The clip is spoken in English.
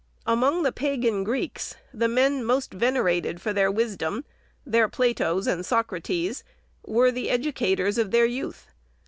Among the pagan Greeks, the men most venerated for their wisdom, their Platos and Socrates, were the educators of their youth.